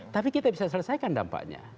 tapi kita bisa selesaikan dampaknya